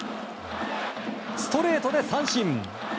ストレートで三振。